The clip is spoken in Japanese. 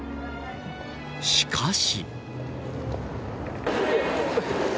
しかし。